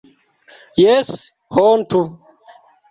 Jes, hontu!